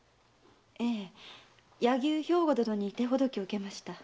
ええ柳生兵庫殿に手ほどきを受けました。